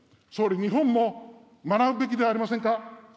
総理、日本も学ぶべきではありませんか。